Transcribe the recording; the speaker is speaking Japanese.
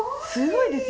すごい！